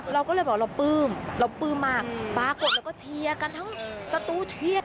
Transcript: เราก็เลยบอกเราปื้มเราปื้มมาปากกดแล้วก็เทียกันทั้งสตูเทียก